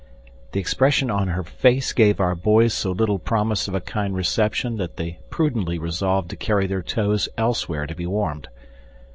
The expression on her face gave our boys so little promise of a kind reception that they prudently resolved to carry their toes elsewhere to be warmed.